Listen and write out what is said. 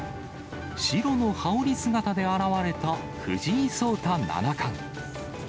白の羽織姿で現れた藤井聡太七冠。